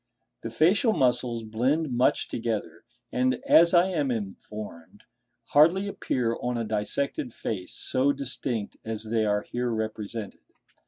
The facial muscles blend much together, and, as I am informed, hardly appear on a dissected face so distinct as they are here represented.